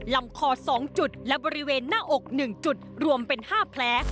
ลำคอ๒จุดและบริเวณหน้าอก๑จุดรวมเป็น๕แผล